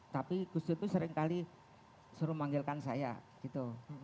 tapi gusir tuh seringkali suruh manggilkan saya gitu